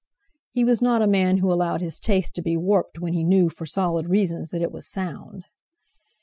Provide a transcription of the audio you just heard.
He was not a man who allowed his taste to be warped when he knew for solid reasons that it was sound.